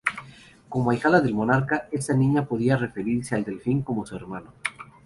Como ahijada del monarca, esta niña podía referirse al Delfín como su hermano.